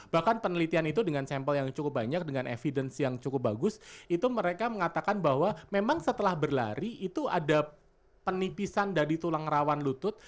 bahkan penelitian itu dengan sampel yang cukup banyak dengan evidence yang cukup bagus itu mereka mengatakan bahwa memang setelah berlari itu ada penipisan dari tulang rawan lutut